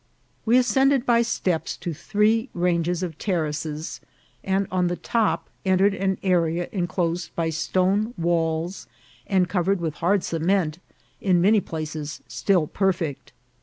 We ascended by steps to three ranges of terraces, and on the top enter ed an area enclosed by stone walls, and covered with hard cement, in many places still perfect.